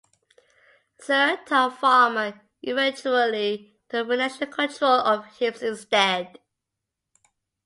Sir Tom Farmer eventually took financial control of Hibs instead.